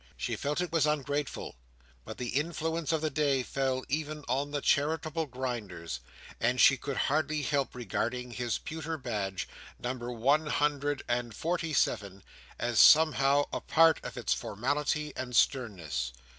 She felt it was ungrateful; but the influence of the day fell even on the Charitable Grinders, and she could hardly help regarding his pewter badge, number one hundred and forty seven, as, somehow, a part of its formality and sternness.